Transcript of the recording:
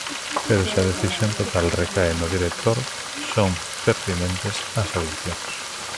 Pero se a decisión total recae no director, son pertinentes as audicións?